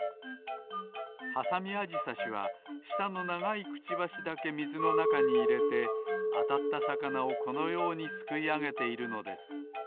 ハサミアジサシはしたのながいクチバシだけみずのなかにいれてあたったさかなをこのようにすくいあげているのです。